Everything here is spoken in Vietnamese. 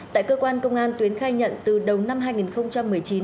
tại cơ quan công an tuyến khai nhận từ đầu năm hai nghìn một mươi chín